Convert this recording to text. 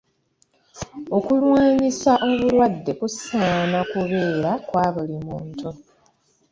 Okulwanyisa obulwadde kusaana kubeere kwa buli muntu.